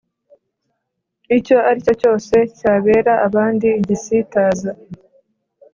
icyo ari cyo cyose cyabera abandi igisitaza